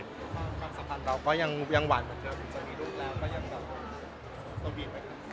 ความสัมพันธ์เราก็ยังหวาน